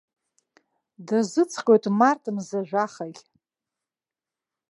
Дазыҵҟьоит март мза жәахагь.